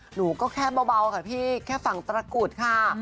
หนูก็แค่เบาค่ะพี่แค่ฝั่งตระกุดค่ะ